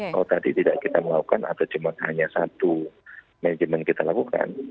kalau tadi tidak kita melakukan atau cuma hanya satu manajemen kita lakukan